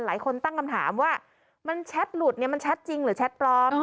หลายคนตั้งคำถามว่ามันแชทหลุดเนี่ยมันแชทจริงหรือแชทปลอม